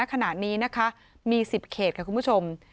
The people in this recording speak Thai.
ขณะนี้นะคะมี๑๐เขตค่ะคุณผู้ชม